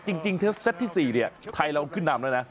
จริงเซตที่๔เนี่ยไทยเราขึ้นนำแล้วนะ